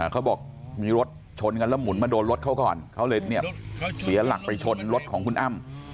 เขาบอกมีรถชนกันแล้วหมุนมาโดนรถเขาก่อนเขาเลยเสียหลักไปชนรถของคุณอ้ำ